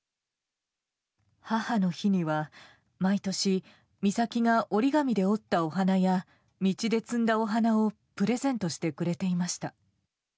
母の日には毎年美咲が折り紙で折ったお花や道で摘んだお花をプレゼントしてくれていました。